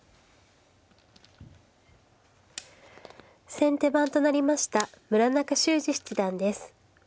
先手番となりました村中秀史七段です。